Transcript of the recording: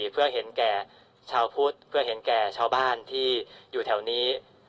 เพื่อเห็นแก่ชาวพุทธเพื่อเห็นแก่ชาวบ้านที่อยู่แถวนี้